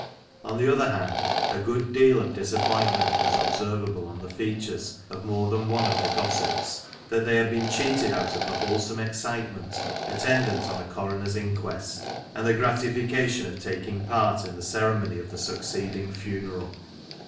On the other hand, a good deal of disappointment was observable on the features of more than one of the gossips, that they had been cheated out of the wholesome excitement attendant on a coroner's inquest, arid the gratification of taking part in the ceremony of the succeeding funeral.